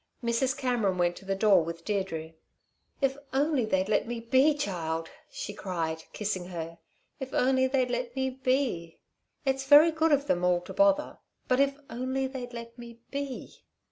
Mrs. Cameron went to the door with Deirdre. "If only they'd let me be, child!" she cried, kissing her. "If only they'd let me be. It's very good of them all to bother, but if only they'd let me be!"